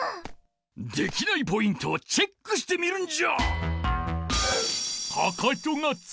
できないポイントをチェックしてみるんじゃ！